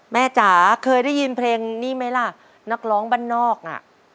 จ๋าเคยได้ยินเพลงนี้ไหมล่ะนักร้องบ้านนอกน่ะ